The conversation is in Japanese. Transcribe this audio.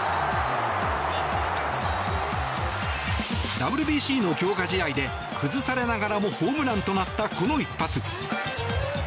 ＷＢＣの強化試合で崩されながらもホームランとなったこの一発。